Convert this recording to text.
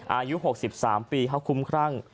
อายุ๖๓ปีเขาคุ้มครั่ง